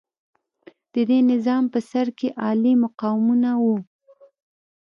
د دې نظام په سر کې عالي مقامونه وو.